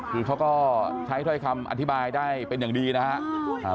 คือเขาก็ใช้ถ้อยคำอธิบายได้เป็นอย่างดีนะครับ